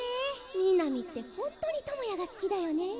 みなみってホントに智也が好きだよね。